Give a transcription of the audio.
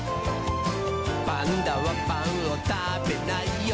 「パンダはパンをたべないよ」